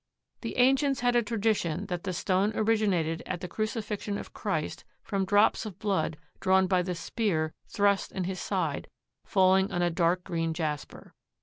The ancients had a tradition that the stone originated at the crucifixion of Christ from drops of blood drawn by the spear thrust in his side falling on a dark green jasper.